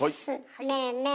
ねえねえ